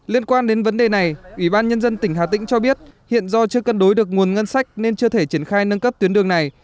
liên quan đến vấn đề này ủy ban nhân dân tỉnh hà tĩnh cho biết hiện do chưa cân đối được nguồn ngân sách nên chưa thể triển khai nâng cấp tuyến đường này